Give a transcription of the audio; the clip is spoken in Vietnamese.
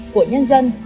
của nhân dân